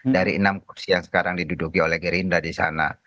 dari enam kursi yang sekarang diduduki oleh gerindra di sana